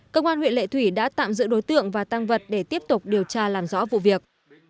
công an huyện lệ thủy đã tạm giữ đối tượng và tăng vật để tiếp tục điều tra làm rõ vụ việc